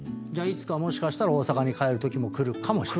じゃあいつかもしかしたら大阪に帰るときもくるかも。